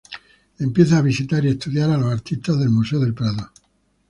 Empieza a visitar y estudiar a los artistas del Museo del Prado.